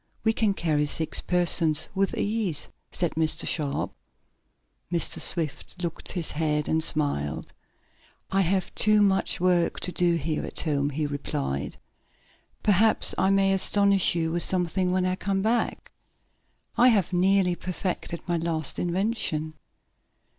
We can carry six persons with ease," said Mr. Sharp. Mr. Swift shook his head, and smiled. "I have too much work to do here at home," he replied. "Perhaps I may astonish you with something when you come back. I have nearly perfected my latest invention."